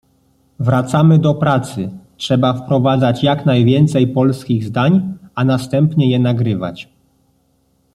wracamy do pracy, trzeba wprowadzać jak najwięcej polskich zdań a następnie je nagrywać!